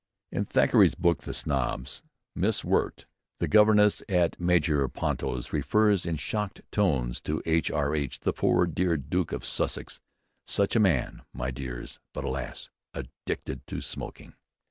In Thackeray's "Book of Snobs," Miss Wirt, the governess at Major Ponto's, refers in shocked tones to "H.R.H. the poor dear Duke of Sussex (such a man my dears, but alas! addicted to smoking!)."